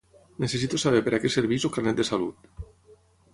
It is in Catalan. Necessito saber per a què serveix el Carnet de salut.